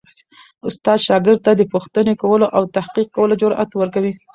استاد شاګرد ته د پوښتنې کولو او تحقیق کولو جرئت ورکوي.